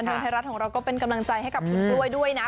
เมืองไทยรัฐของเราก็เป็นกำลังใจให้กับคุณกล้วยด้วยนะ